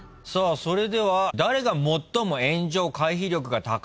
それでは誰が最も炎上回避力が高かったのか。